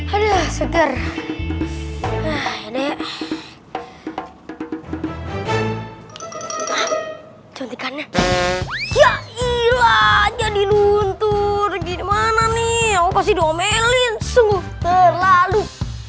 ada seger hai dek contekannya ya ilah jadi luntur gimana nih aku kasih domelin sungguh terlalu